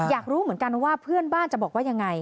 อยากรู้เหมือนกันว่าเพื่อนบ้านจะบอกว่ายังไง